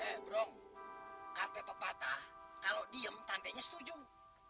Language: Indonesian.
eh bro kpp patah kalau diem tandanya setujung